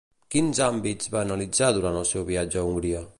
Quins àmbits va analitzar durant el seu viatge a Hongria?